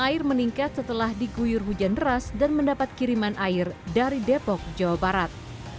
air meningkat setelah diguyur hujan deras dan mendapat kiriman air dari depok jawa barat